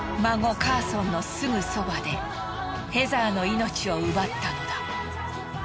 孫カーソンのすぐそばでヘザーの命を奪ったのだ。